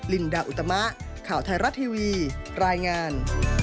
ลินดาอุตมะข่าวไทยรัฐทีวีรายงาน